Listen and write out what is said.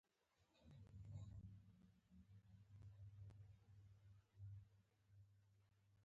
ناروغي محرقه تشخیص کړه.